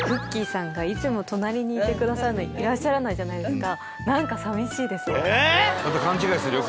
さんがいつも隣にいてくださるのにいらっしゃらないじゃないですか。